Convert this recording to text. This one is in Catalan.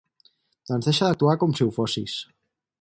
Doncs deixa d'actuar com si ho fossis.